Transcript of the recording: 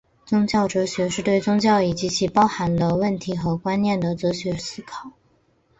宗教哲学是对宗教以及其所包含的问题和观念的哲学思考。